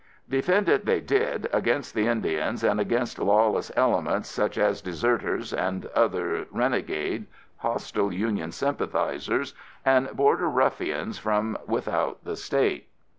Defend it they did, against the Indians, and against lawless elements such as deserters and others renegades, hostile Union sympathizers and border ruffians from without the state.